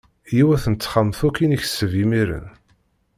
Yiwet n texxamt akk i nekseb imiren.